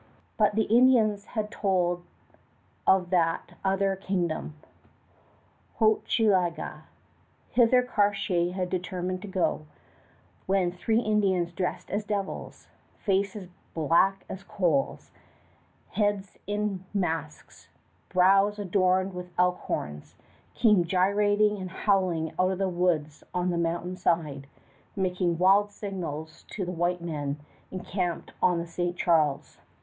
But the Indians had told of that other kingdom, Hochelaga. Hither Cartier had determined to go, when three Indians dressed as devils faces black as coals, heads in masks, brows adorned with elk horns came gyrating and howling out of the woods on the mountain side, making wild signals to the white men encamped on the St. Charles.